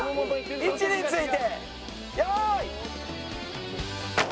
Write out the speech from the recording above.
位置について用意。